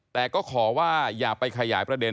แต่ก็ขอว่าอย่าไปขยายประเด็น